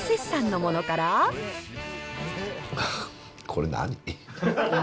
これ何？